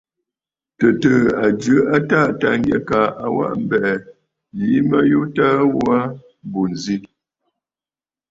Tɨ̀tɨ̀ɨ̀ a jɨ a Taà Tâŋgyɛ kaa a waʼa mbɛ̀ɛ̀ yìi mə yu təə ghu aa bù ǹzi.